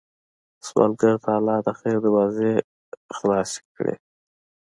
سوالګر ته الله د خیر دروازې خلاصې کړې